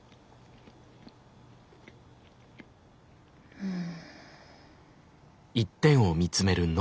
うん。